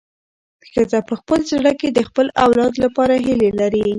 ښځه په خپل زړه کې د خپل اولاد لپاره هیلې لري.